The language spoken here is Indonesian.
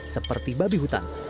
seperti babi hutan